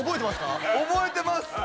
覚えてますか？